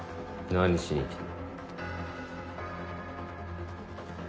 何しに来た。